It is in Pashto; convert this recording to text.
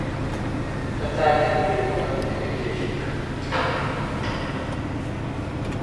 که تحقیق وي نو غلطي نه کیږي.